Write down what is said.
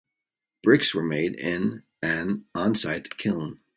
Bricks were made in an onsite kiln.